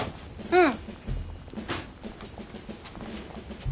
うん。